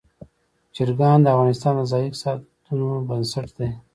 چرګان د افغانستان د ځایي اقتصادونو بنسټ دی.